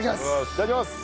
いただきます。